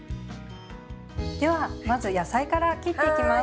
ではまず野菜から切っていきます。